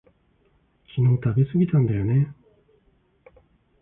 昨日食べすぎたんだよね